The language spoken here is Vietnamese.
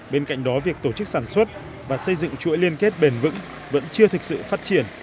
bên cạnh đó việc tổ chức sản xuất và xây dựng chuỗi liên kết bền vững vẫn chưa thực sự phát triển